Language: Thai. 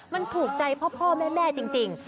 มันถูกใจพ่อแม่จริง